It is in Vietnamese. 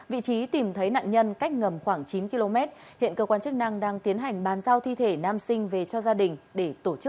vị trí tìm thấy nạn nhân cách ngầm khoảng chín km hiện cơ quan chức năng đang tiến hành bàn giao thi thể nam sinh về cho gia đình để tổ chức